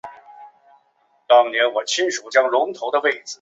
安寿林宅院的历史年代为清。